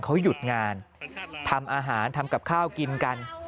เขาหยุดงานทำอาหารทำกับข้าวกินกัน